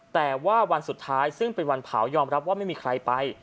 แต่ว่าวันสุดท้ายซึ่งเป็นวันเผายอมรับว่าไม่มีใครไป